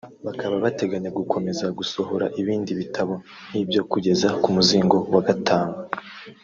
bakaba bateganya gukomeza gusohora ibindi bitabo nk’ibyo kugeza ku muzingo wa gatanu